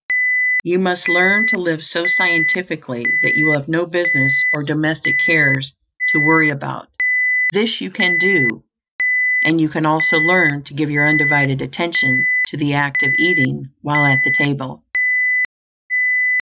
You must learn to live so scientifically that you will have no business or domestic cares to worry about; this you can do, and you can also learn to give your undivided attention to the act of eating while at the table.